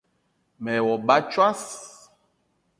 Me ye wo ba a tsos